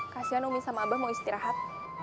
kasian umi sama abah mau istirahat